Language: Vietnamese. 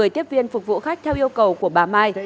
một mươi tiếp viên phục vụ khách theo yêu cầu của bà mai